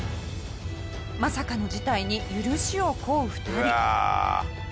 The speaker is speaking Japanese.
まさかの事態に許しを請う２人。